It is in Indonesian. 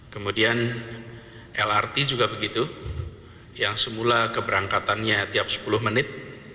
kemudian lrt juga begitu yang semula keberangkatannya tiap sepuluh menit